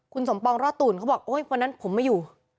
คุณสมปองรอดตูนเขาบอกโอ๊ยวันนั้นผมไม่อยู่